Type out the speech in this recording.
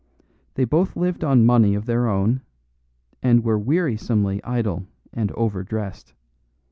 They both lived on money of their own, and were wearisomely idle and over dressed.